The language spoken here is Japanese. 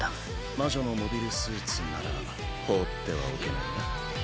魔女のモビルスーツなら放ってはおけないな。